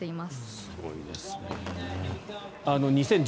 すごいですね。